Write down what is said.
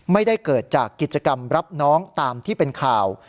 ไม่ได้เกิดจากกิจกรรมรับน้องตามที่เป็นข่าว